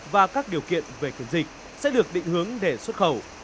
và các điều kiện về kiểm dịch sẽ được định hướng để xuất khẩu